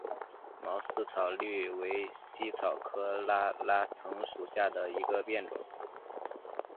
毛四叶葎为茜草科拉拉藤属下的一个变种。